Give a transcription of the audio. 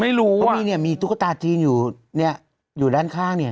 ไม่รู้ว่ะคือมีตุ๊กตาจีนอยู่อยู่ด้านข้างนี่